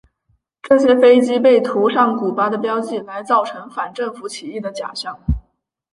这些飞机被涂上古巴的标记来造成反政府起义的假象。